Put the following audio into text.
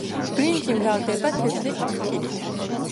ბრინჯი მრავლდება თესლით, ჩითილით.